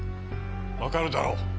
わかるだろう？